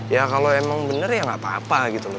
ya kalau emang bener ya nggak apa apa gitu loh